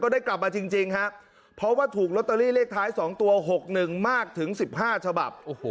ได้กลับมาจริงครับเพราะว่าถูกลอตเตอรี่เลขท้าย๒ตัว๖๑มากถึง๑๕ฉบับ